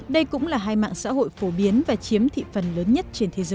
đây cũng là hai mạng xã hội phổ biến và chiếm thị phần lớn nhất